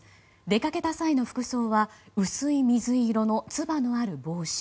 出かけた際の服装は薄い水色のつばのある帽子。